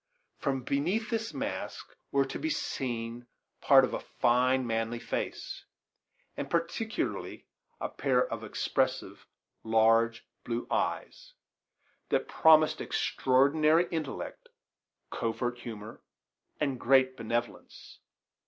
From beneath this mask were to be seen part of a fine, manly face, and particularly a pair of expressive large blue eyes, that promised extraordinary intellect, covert humor, and great benevolence.